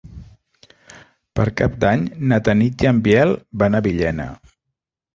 Per Cap d'Any na Tanit i en Biel van a Villena.